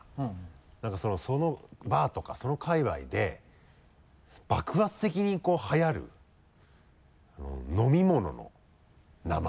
何かバーとかその界わいで爆発的にはやる飲み物の名前。